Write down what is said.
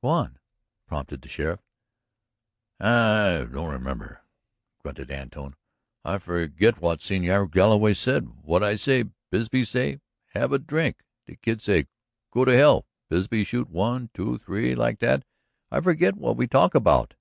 "Go on," prompted the sheriff. "I don't remember," grunted Antone. "I forget what Señor Galloway say, what I say. Bisbee say: 'Have a drink.' The Kid say: 'Go to hell.' Bisbee shoot, one, two, three, like that. I forget what we talk about."